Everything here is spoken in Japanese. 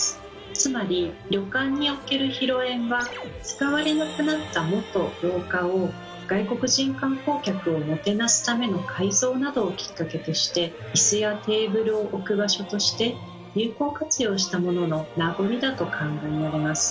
つまり旅館における広縁は使われなくなった元廊下を外国人観光客をもてなすための改造などをきっかけとしてイスやテーブルを置く場所として有効活用したものの名残だと考えられます。